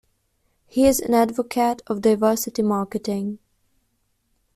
He is an advocate of diversity marketing.